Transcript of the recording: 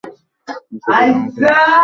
আশা করি আমাকে নিরাশ করবেন না।